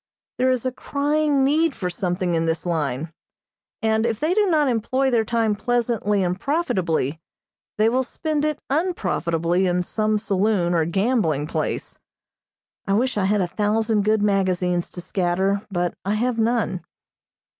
There is a crying need for something in this line, and if they do not employ their time pleasantly and profitably, they will spend it unprofitably in some saloon or gambling place. I wish I had a thousand good magazines to scatter, but I have none.